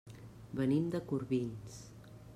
Venim de Corbins.